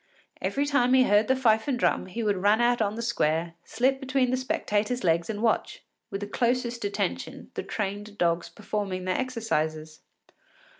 Every time he heard the fife and drum he would run out on the square, slip between the spectators’ legs and watch, with the closest attention, the trained dogs performing their exercises.